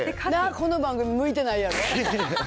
この番組、向いてないやろ。